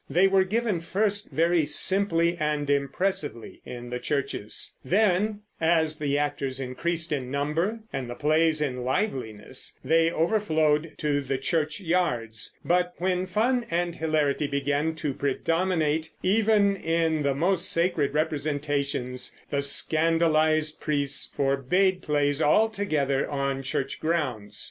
They were given first very simply and impressively in the churches; then, as the actors increased in number and the plays in liveliness, they overflowed to the churchyards; but when fun and hilarity began to predominate even in the most sacred representations, the scandalized priests forbade plays altogether on church grounds.